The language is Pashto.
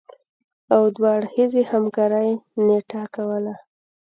او دوه اړخیزې همکارۍ نټه کوله